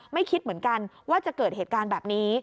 คิดเหมือนกันว่าจะเกิดเหตุการณ์แบบนี้